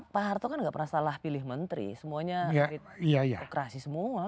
pak harto kan nggak pernah salah pilih menteri semuanya operasi semua